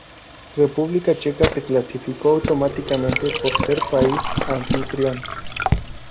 República Checa se clasificó automáticamente por ser país anfitrión.